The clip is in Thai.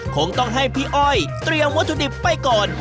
คงต้องให้พี่อ้อยเตรียมวัตถุดิบไปก่อน